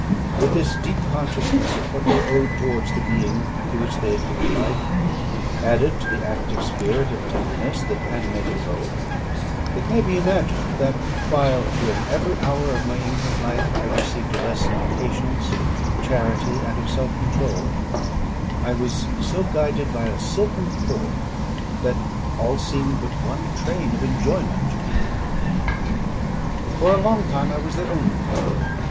With this deep consciousness of what they owed towards the being to which they had given life, added to the active spirit of tenderness that animated both, it may be imagined that while during every hour of my infant life I received a lesson of patience, of charity, and of self control, I was so guided by a silken cord, that all seemed but one train of enjoyment to me. For a long time I was their only care.